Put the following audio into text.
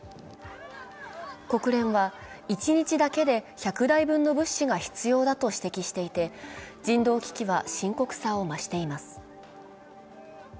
国連は一日だけで１００台分の物資が必要だと指摘していて、人道危機は深刻さを増しています。